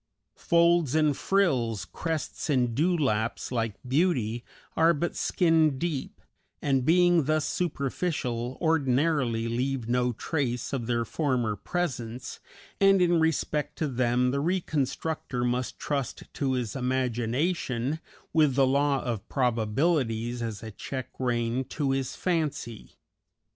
Folds and frills, crests and dewlaps, like beauty, are but skin deep, and, being thus superficial, ordinarily leave no trace of their former presence, and in respect to them the reconstructor must trust to his imagination, with the law of probabilities as a check rein to his fancy.